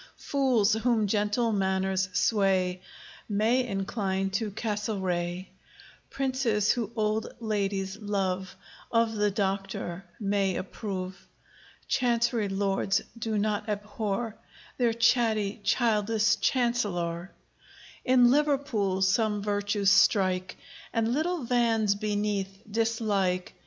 Fools, whom gentle manners sway, May incline to Castlereagh; Princes who old ladies love Of the Doctor[A] may approve; Chancery lords do not abhor Their chatty, childish Chancellor; In Liverpool, some virtues strike, And little Van's beneath dislike.